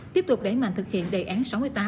tiếp tục đẩy mạnh thực hiện đề án sáu mươi tám